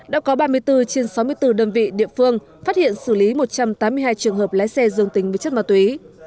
đã có ba mươi bốn trên sáu mươi bốn đơn vị địa phương phát hiện xử lý một trăm tám mươi hai trường hợp lái xe dương tính với chất ma túy